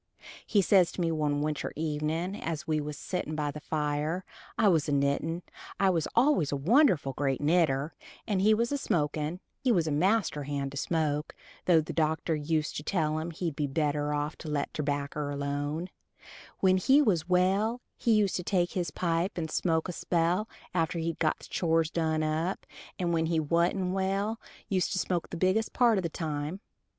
He says to me one winter evenin' as we was a settin' by the fire, I was a knittin' (I was always a wonderful great knitter) and he was a smokin' (he was a master hand to smoke, though the doctor used to tell him he'd be better off to let tobacker alone; when he was well he used to take his pipe and smoke a spell after he'd got the chores done up, and when he wa'n't well, used to smoke the biggest part of the time).